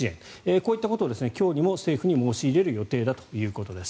こういったことを今日にも政府に申し入れる予定だということです。